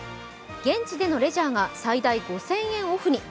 現地でのレジャーが最大５０００円オフに。